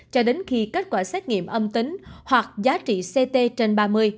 cho đến khi kết quả xét nghiệm âm tính hoặc giá trị ct trên ba mươi